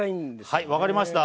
はい分かりました。